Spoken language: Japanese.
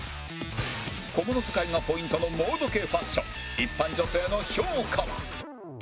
小物使いがポイントのモード系ファッション一般女性の評価は？